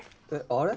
あれ？